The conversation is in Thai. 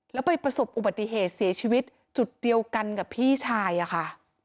แล้วไปประสบอุบัติเหตุเสียชีวิตจุดเดียวกันกับพี่ชายอะค่ะ